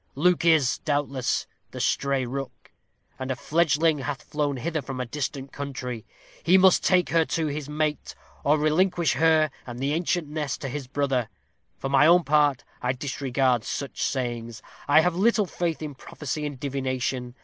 Luke is, doubtless, the stray rook, and a fledgeling hath flown hither from a distant country. He must take her to his mate, or relinquish her and 'the ancient nest' to his brother. For my own part, I disregard such sayings. I have little faith in prophecy and divination.